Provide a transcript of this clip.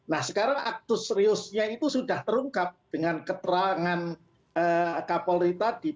nah sekarang aktus seriusnya itu sudah terungkap dengan keterangan kapolri tadi